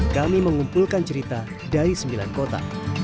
kami mengumpulkan cerita dari sembilan kota